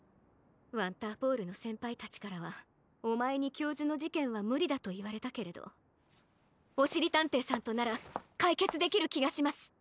ワンターポールのせんぱいたちからはおまえに教授のじけんはむりだといわれたけれどおしりたんていさんとならかいけつできるきがします。